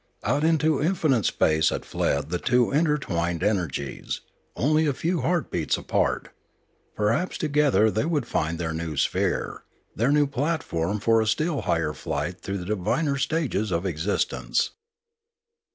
Out into infinite space had fled the two intertwined energies, only a few heartbeats apart. Perhaps together they would find their new sphere, their new platform for still higher flight through the diviner stages of existence.